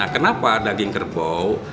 kenapa daging kerbau